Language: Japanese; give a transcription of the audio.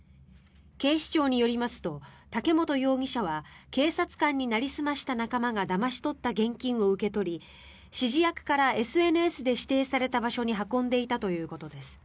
警視庁によりますと嵩元容疑者は警察官になりすました仲間がだまし取った現金を受け取り指示役からＳＮＳで指定された場所に運んでいたということです。